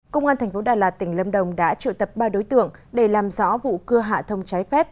công an tp đà lạt tỉnh lâm đồng đã triệu tập ba đối tượng để làm rõ vụ cưa hạ thông trái phép